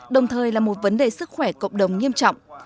đồng thời là một vấn đề sức khỏe cộng đồng nghiêm trọng